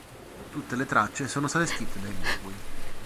Tutte le tracce sono state scritte dai Mogwai.